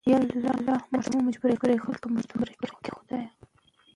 تاند ویبپاڼه د افغانانو لپاره د پوهې يو لوی مرکز دی.